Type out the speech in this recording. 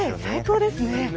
最高ですね。